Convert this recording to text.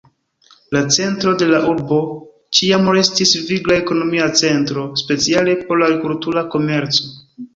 La centro de la urbo ĉiam restis vigla ekonomia centro, speciale por agrikultura komerco.